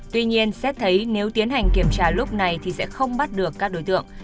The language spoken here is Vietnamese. tuy nhiên xét thấy nếu tiến hành kiểm tra lúc này thì sẽ không bắt được các đối tượng